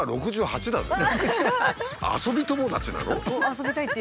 遊びたいって？